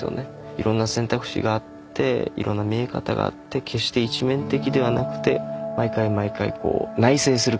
いろんな選択肢があっていろんな見え方があって決して一面的ではなくて毎回毎回内省するきっかけになりますね。